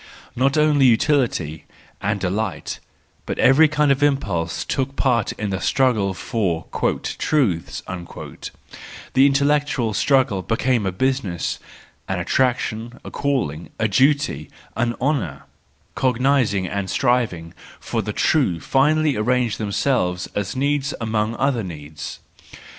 Not only utility and delight, but every kind of impulse took part in the struggle for " truths ": the intellectual struggle became a business, an attrac¬ tion, a calling, a duty, an honour—: cognizing and striving for the true finally arranged themselves as needs among other needs.